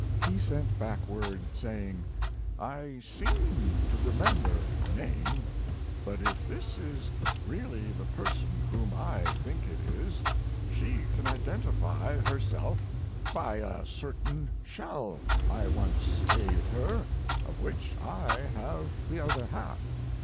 He sent back word, saying: "I seem to remember the name; but if this is really the person whom I think it is she can identify herself by a certain shell I once gave her, of which I have the other half.